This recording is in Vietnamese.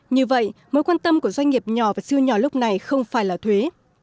như vậy mối quan tâm của doanh nghiệp nhỏ và siêu nhỏ lúc này không phải là thuế